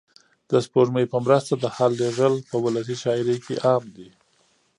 د سپوږمۍ په مرسته د حال لېږل په ولسي شاعرۍ کې عام دي.